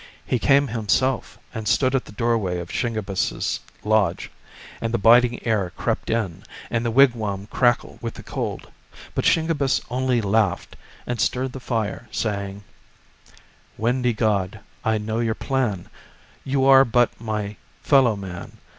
He came himself and stood at the doorway of Shingebiss's lodge, and the biting air crept in and the wigwam crackled with the cold, but Shingebiss only laughed and stirred the fire, saying: " Windy god, I know your plan, You are "but my fellow man.